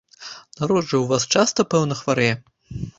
Народ жа ў вас часта, пэўна, хварэе?